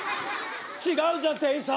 違うじゃん店員さん。